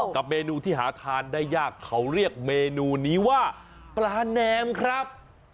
กับเมนูที่หาทานได้ยากเขาเรียกเมนูนี้ว่าปลาแนมครับ